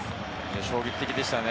衝撃的でしたね。